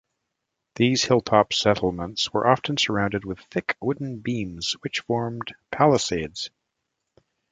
These hilltop settlements were often surrounded with thick wooden beams which formed palisades.